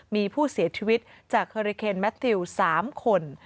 มีผู้เสียชีวิตจากเฮอริเคนแมทติว๓คน